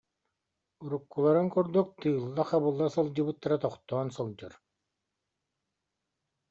Уруккуларын курдук тыылла-хабылла сылдьыбыттара тохтоон сылдьар